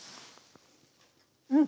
うん。